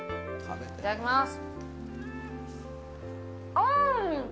いただきます。